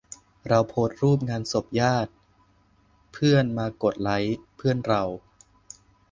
เราโพสต์รูปงานศพญาติ เพื่อนมากดไลก์ เพื่อนเรา